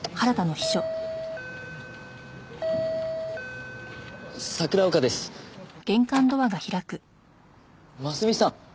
ますみさん。